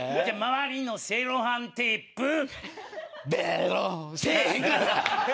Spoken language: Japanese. じゃあ周りのセロハンテープ。